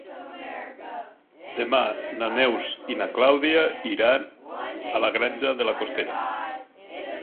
Demà na Neus i na Clàudia iran a la Granja de la Costera.